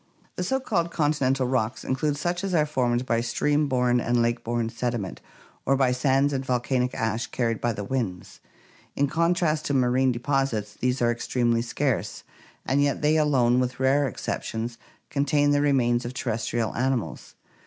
The so called continental rocks include such as are formed by stream borne and lake borne sediment or by sands and volcanic ash carried by the winds. In contrast to marine deposits these are extremely scarce, and yet they alone, with rare exceptions, contain the remains of terrestrial animals.